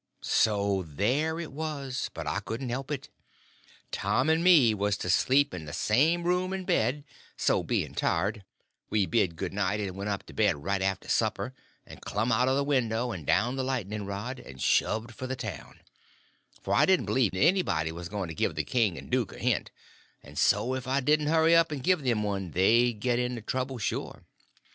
So there it was!—but I couldn't help it. Tom and me was to sleep in the same room and bed; so, being tired, we bid good night and went up to bed right after supper, and clumb out of the window and down the lightning rod, and shoved for the town; for I didn't believe anybody was going to give the king and the duke a hint, and so if I didn't hurry up and give them one they'd get into trouble sure.